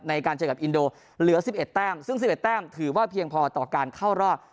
ในการเจอกับอินโดเหลือ๑๑แต้มซึ่ง๑๑แต้มถือว่าเพียงพอต่อการเข้ารอบ